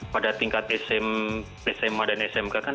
pada tingkat sma dan smk kan